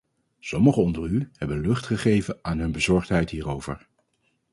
Sommigen onder u hebben lucht gegeven aan hun bezorgdheid hierover.